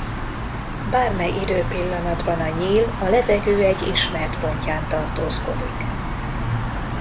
Bármely időpillanatban a nyíl a levegő egy ismert pontján tartózkodik.